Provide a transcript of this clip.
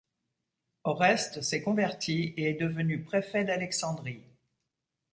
Oreste s'est converti et est devenu préfet d'Alexandrie.